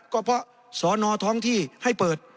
ก็เพราะสอนอท้องที่ให้เปิด